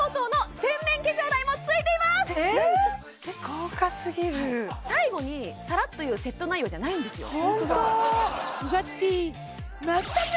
豪華すぎる最後にさらっと言うセット内容じゃないんですよ